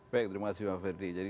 terima kasih pak ferdi